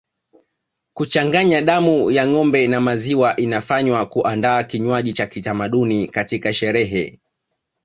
Kuchanganya damu ya ngombe na maziwa inafanywa kuandaa kinywaji cha kitamaduni katika sherehe